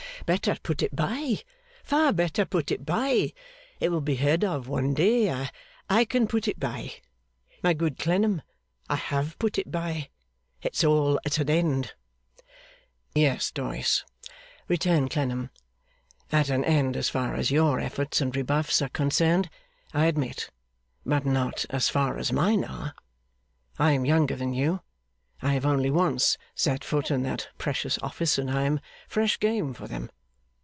Better put it by. Far better put it by. It will be heard of, one day. I can put it by. You forget, my good Clennam; I have put it by. It's all at an end.' 'Yes, Doyce,' returned Clennam, 'at an end as far as your efforts and rebuffs are concerned, I admit, but not as far as mine are. I am younger than you: I have only once set foot in that precious office, and I am fresh game for them.